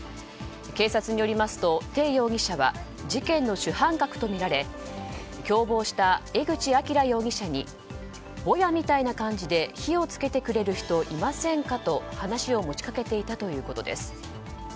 警察によりますとテイ容疑者は事件の主犯格とみられ共謀した江口亮容疑者にぼやみたいな感じで火を付けてくれる人いませんかと話を持ち掛けていたということです。